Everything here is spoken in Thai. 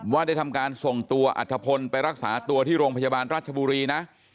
ว่าได้ทำการส่งตัวอัฐพลไปรักษาตัวที่โรงพยาบาลราชบุรีนะ